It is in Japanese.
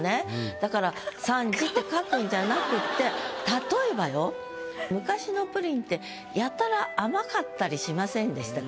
だから「三時」って書くんじゃなくって例えばよ昔のプリンってやたら甘かったりしませんでしたか？